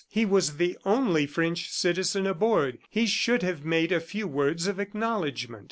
He was the only French citizen aboard. He should have made a few words of acknowledgment.